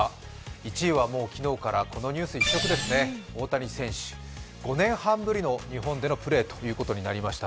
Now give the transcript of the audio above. １位は昨日からこのニュース一色ですね、大谷選手５年半ぶりの日本でのプレーということになりました。